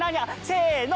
せの。